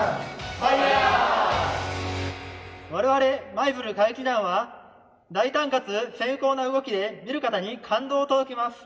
我々まいづる鶴激団は大胆かつ精巧な動きで見る方に感動を届けます。